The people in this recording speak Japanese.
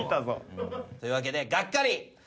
というわけでがっかり。